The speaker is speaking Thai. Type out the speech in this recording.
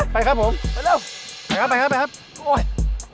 ไปครับผมไปเร็วไปครับไปครับไปครับโอ๊ย